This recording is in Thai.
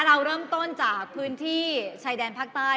เราเริ่มต้นจากพื้นที่ชายแดนภาคใต้